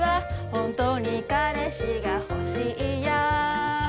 本当に彼氏が欲しいや